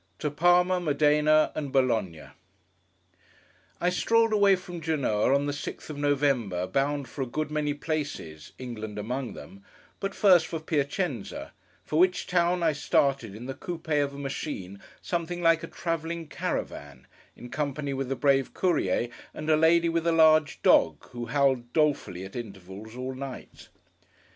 TO PARMA, MODENA, AND BOLOGNA I STROLLED away from Genoa on the 6th of November, bound for a good many places (England among them), but first for Piacenza; for which town I started in the coupé of a machine something like a travelling caravan, in company with the brave Courier, and a lady with a large dog, who howled dolefully, at intervals, all night.